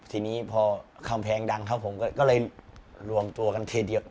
ทีนี้พอคำแพงดังครับผมก็เลยรวมตัวกันทีเดียว